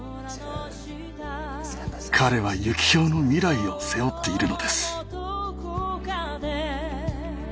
彼はユキヒョウの未来を背負っているのです。